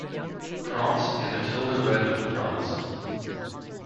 Cross and Matilda Redmond Cross.